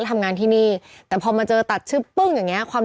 ทำงานครบ๒๐ปีได้เงินชดเฉยเลิกจ้างไม่น้อยกว่า๔๐๐วัน